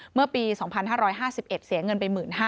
เมื่อปี๒๕๕๑เสียเงินไป๑๕๐๐